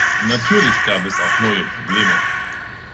Natürlich gab es auch neue Probleme.